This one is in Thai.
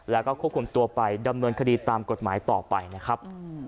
แล้วก็ควบคุมตัวไปดำเนินคดีตามกฎหมายต่อไปนะครับ